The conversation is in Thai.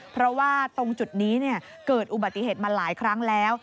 เพราะว่าตรงจุดนี้เกิดอุบัติเหตุมาหลายครั้งแล้ว